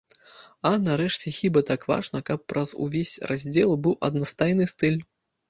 А, нарэшце, хіба так важна, каб праз увесь раздзел быў аднастайны стыль.